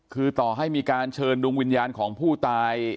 คือต่อให้มีการเชิญดวงวิญญาณของผู้ตาย